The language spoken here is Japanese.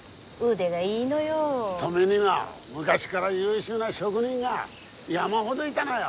登米には昔から優秀な職人が山ほどいだのよ。